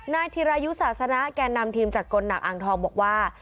ธิรายุศาสนะแก่นำทีมจากกลหนักอ่างทองบอกว่า